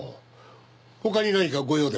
他に何かご用でも？